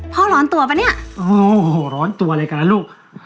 พ่อร้อนตัวป่ะเนี้ยโอ้โหร้อนตัวอะไรกันล่ะลูก